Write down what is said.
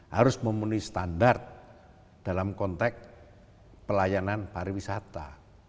harus memenuhi standar dalam konteks pelayanan pariwisata